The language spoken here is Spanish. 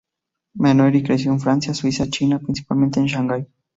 Meunier" y creció en Francia, Suiza y China, principalmente en Shanghái.